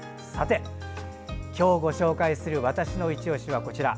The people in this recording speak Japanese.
今日ご紹介する「＃わたしのいちオシ」はこちら。